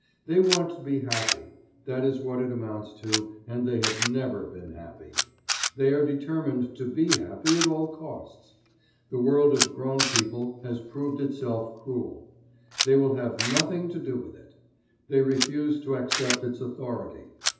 They want to be happy—that is what it amounts to and they have never been happy. They are determined to be happy at all costs. The world of grown people has proved itself cruel. They will have nothing to do with it. They refuse to accept its authority.